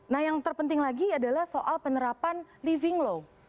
nah yang terpenting lagi adalah soal penerapan living law